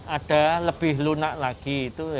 ada lebih lunak lagi